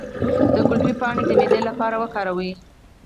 د ګلپي پاڼې د معدې لپاره وکاروئ